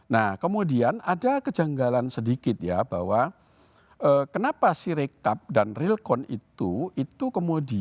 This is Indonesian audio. nah kemudian ada kejanggalan sedikit ya bahwa kenapa sirikap dan relkon itu